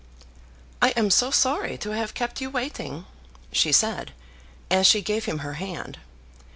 "I am so sorry to have kept you waiting," she said, as she gave him her hand.